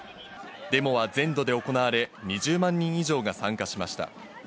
デモは全土で行われ、２０万人以上が参加しました。